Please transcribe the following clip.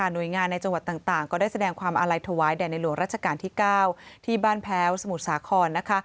โดยงานในจังหวัดต่างก็ได้แสดงความอาลัยถวายแด่ในหลวงราชการที่๙ที่บ้านแพ้วสมุทรสาครนะคะ